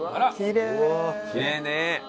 きれいね。